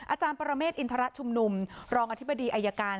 อาจารย์ปรเมฆอินทรชุมนุมรองอธิบดีอายการ